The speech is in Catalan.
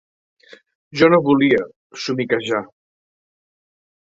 Jo no volia! –somiquejà.